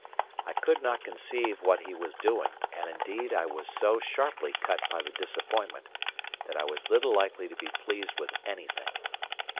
I could not conceive what he was doing; and indeed I was so sharply cut by the disappointment, that I was little likely to be pleased with anything.